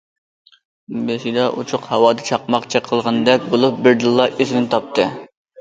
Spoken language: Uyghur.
بېشىدا ئوچۇق ھاۋادا چاقماق چېقىلغاندەك بولۇپ بىردىنلا ئېسىنى تاپتى.